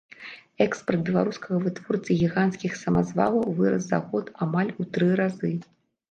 Экспарт беларускага вытворцы гіганцкіх самазвалаў вырас за год амаль у тры разы.